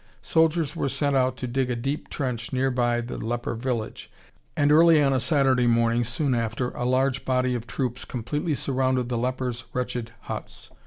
Soldiers were sent out to dig a deep trench near by the leper village, and early on a Saturday morning soon after a large body of troops completely surrounded the lepers' wretched huts.